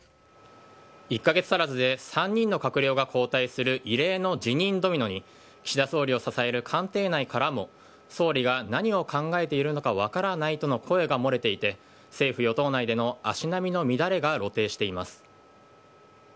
１か月足らずで３人の閣僚が交代する異例の辞任ドミノに、岸田総理を支える官邸内からも、総理が何を考えているのか分からないとの声が漏れていて、政府・与党内での足並みの乱れが露呈しています。